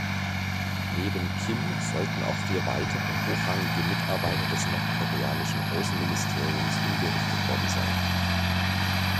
Neben Kim sollen auch vier weitere hochrangige Mitarbeiter des nordkoreanischen Außenministeriums hingerichtet worden sein.